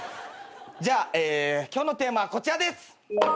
じゃあ今日のテーマはこちらです。